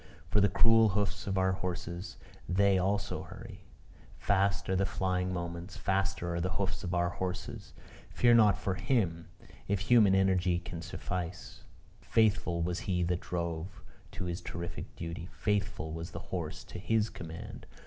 for the cruel hoofs of our horses they also hurry! Fast are the flying moments, faster are the hoofs of our horses. Fear not for him, if human energy can suffice: faithful was he that drove, to his terrific duty; faithful was the horse to his command.